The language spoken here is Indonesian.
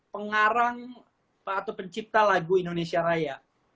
pengarang atau pencipta lagu indonesia raya